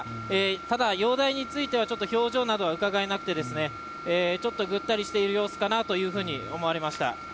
ただ、容体については表情などがうかがえなくてぐったりしている様子かなと思われました。